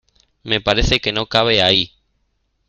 Me parece que no cabe ahí.